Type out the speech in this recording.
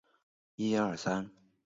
维维尔。